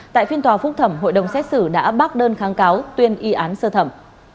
tại phiên tòa phúc thẩm hội đồng xét xử đã bác đơn kháng cáo tuyên y án sơ thẩm